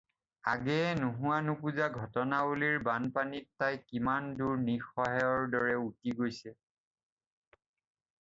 আগেয়ে নোহোৱা-নোপজা ঘটনাৱলীৰ বানপানীত তাই কিমান দূৰ নিঃসহায়ৰ দৰে উটি গৈছে